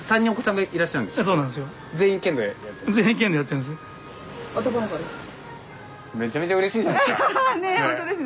めちゃめちゃうれしいじゃないすか。